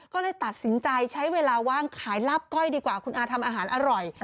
ก็เลยตัดสินใจใช้เวลาว่างขายลาบก้อยดีกว่าคุณอาทำอาหารอร่อย